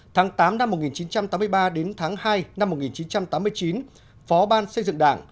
tháng tám năm một nghìn chín trăm tám mươi ba đến tháng hai năm một nghìn chín trăm tám mươi chín phó ban xây dựng đảng